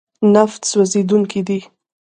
نفت سوځېدونکی دی.